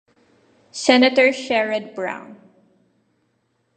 Senator Sherrod Brown.